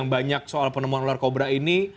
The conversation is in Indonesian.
banyak soal penemuan ular kobra ini